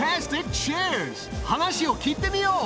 話を聞いてみよう。